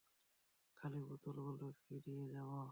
খালি বোতল গুলো কি নিয়ে যাবো?